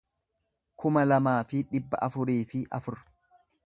kuma lamaa fi dhibba afurii fi afur